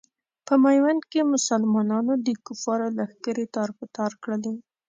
په میوند کې مسلمانانو د کفارو لښکرې تار په تار کړلې.